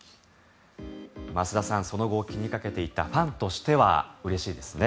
増田さん、その後を気にかけていたファンとしてはうれしいですね。